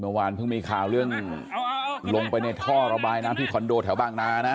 เมื่อวานเพิ่งมีข่าวเรื่องลงไปในท่อระบายน้ำที่คอนโดแถวบางนานะ